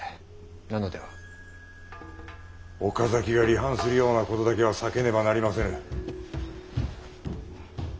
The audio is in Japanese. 岡崎が離反するようなことだけは避けねばなりませぬ。